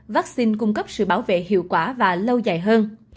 vaccine cung cấp sự bảo vệ hiệu quả và lâu dài hơn